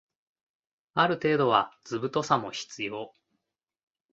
ある程度は図太さも必要